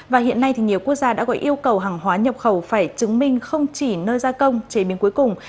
và hiện nay nhiều quốc gia đã gọi yêu cầu hàng hóa nhập khẩu phải chứng minh không chỉ nơi gia công chế biến cuối cùng